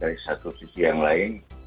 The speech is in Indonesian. dari satu sisi yang lain